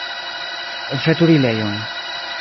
Veturilejon.